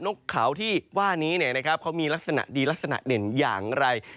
นกขาวที่ว่านี้เนี่ยนะครับเขามีลักษณะดีลักษณะเด่นอย่างไร